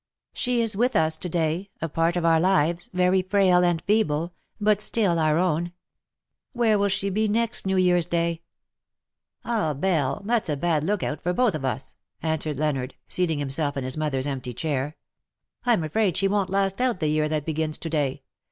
She is with us to day — a part of our lives — very frail and feeble, but still our own. "Where will she be next New Year's day T' ARE MUTE FOR EVER." 119 ^^ Ah, Belle, that^s a bad look out for both of us/^ answered Leonard, seating himself in his mother^s empty chair. " Vm afraid she won 't last out the year that begins to day.